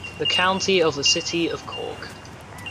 The County of the City of Cork.